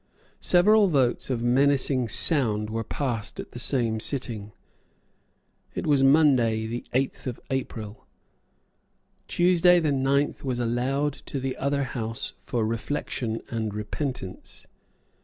Several votes of menacing sound were passed at the same sitting. It was Monday the eighth of April. Tuesday the ninth was allowed to the other House for reflection and repentance.